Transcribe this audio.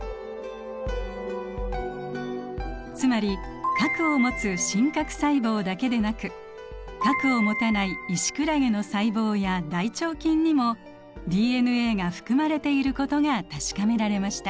つまり核を持つ真核細胞だけでなく核を持たないイシクラゲの細胞や大腸菌にもＤＮＡが含まれていることが確かめられました。